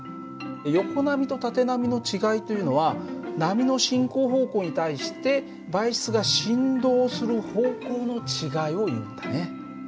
横波と縦波の違いというのは波の進行方向に対して媒質が振動する方向の違いをいうんだね。